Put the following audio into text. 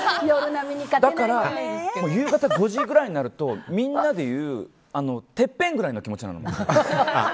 だから、夕方５時ぐらいになるとみんなで言うてっぺんぐらいの気持ちなの。